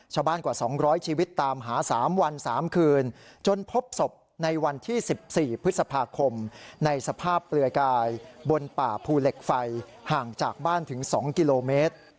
กว่า๒๐๐ชีวิตตามหา๓วัน๓คืนจนพบศพในวันที่๑๔พฤษภาคมในสภาพเปลือยกายบนป่าภูเหล็กไฟห่างจากบ้านถึง๒กิโลเมตร